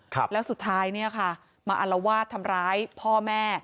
ครับแล้วสุดท้ายเนี่ยค่ะมาอลวาดทำร้ายพ่อแม่